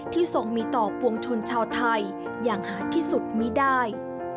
ทรงมีต่อปวงชนชาวไทยอย่างหาดที่สุดไม่ได้